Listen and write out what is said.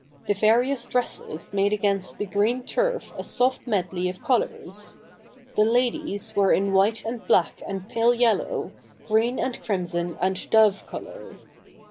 The various dresses made against the green turf a soft medley of colours. The ladies were in white and black and pale yellow, green and crimson and dove colour.